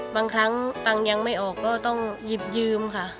บางครั้งตังค์ยังไม่ออกก็ต้องหยิบยืมค่ะ